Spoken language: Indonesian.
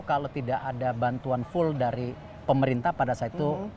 kalau tidak ada bantuan full dari pemerintah pada saat itu